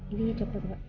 ini cepat pak